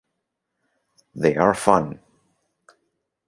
They are fun.